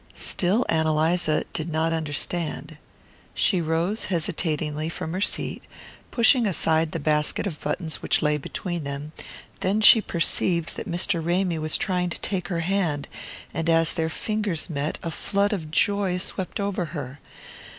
Still Ann Eliza did not understand. She rose hesitatingly from her seat, pushing aside the basket of buttons which lay between them; then she perceived that Mr. Ramy was trying to take her hand, and as their fingers met a flood of joy swept over her.